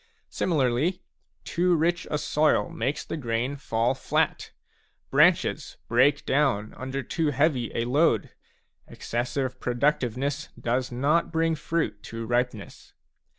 Similarly, too rich a soil makes the grain fall flat, branches break down under too heavy a load, excessive productiveness does not bring fruit to ripeness.